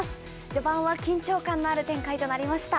序盤は緊張感のある展開となりました。